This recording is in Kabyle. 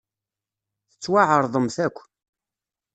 Tettwaɛeṛḍemt akk.